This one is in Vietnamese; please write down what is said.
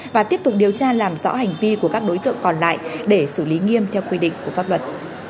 và tiếp tục điều tra làm rõ hành vi của các đối tượng còn lại để xử lý nghiêm theo quy định của pháp luật